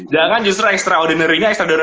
jangan justru extraordinary nya